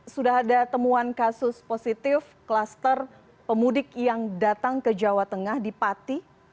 sudah ada temuan kasus positif klaster pemudik yang datang ke jawa tengah dipati